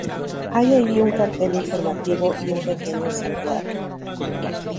Hay allí un cartel informativo y un pequeño santuario.